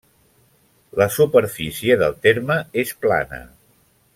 La superfície del terme és plana.